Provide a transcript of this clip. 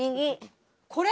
これ？